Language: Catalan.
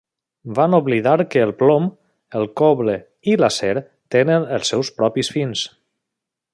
Van oblidar que el plom, el coble i l'acer tenen els seus propis fins.